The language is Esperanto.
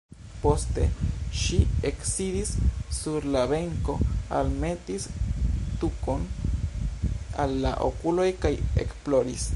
Poste ŝi eksidis sur la benko, almetis tukon al la okuloj kaj ekploris.